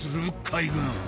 海軍。